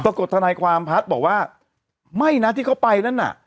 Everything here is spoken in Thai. ปรากฏทันายความพาสบอกว่าไม่นะที่เขาไปนั่นน่ะ